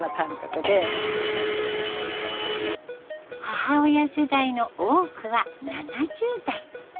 母親世代の多くは７０代。